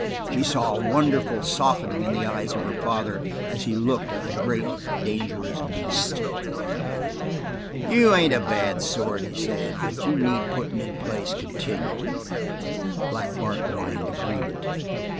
She saw a wonderful softening in the eyes of her father as he looked at the great, dangerous beast. "You ain't a bad sort," he said, "but you need puttin' in place continual." Black Bart whined agreement.